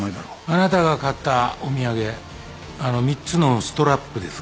あなたが買ったお土産あの３つのストラップですが。